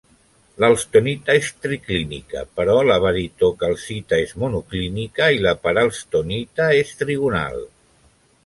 L'alstonita és triclínica, però la baritocalcita és monoclínica, i la paralstonita és trigonal.